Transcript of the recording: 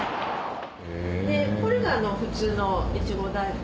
これが普通のいちご大福。